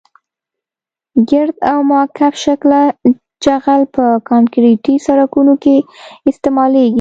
ګرد او مکعب شکله جغل په کانکریټي سرکونو کې استعمالیږي